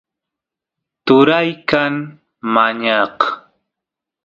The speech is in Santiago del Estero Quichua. turay kan mañaq